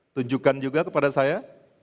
tunjukkan juga kepada saya